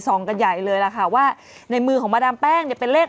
กันใหญ่เลยล่ะค่ะว่าในมือของมาดามแป้งเนี่ยเป็นเลข